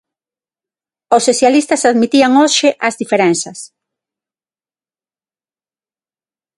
Os socialistas admitían hoxe as diferenzas.